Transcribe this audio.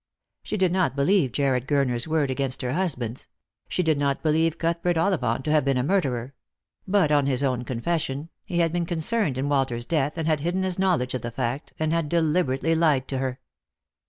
She did not believe Jarred Gurner's word against her husband's — she did not believe Cuthbert Ollivant to have been a murderer; but, on 292 Lost for Love. his own confession, he had been concerned in Walter's death and had hidden his knowledge of the fact, and had deliberately lied to her.